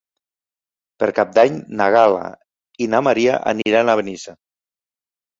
Per Cap d'Any na Gal·la i na Maria aniran a Benissa.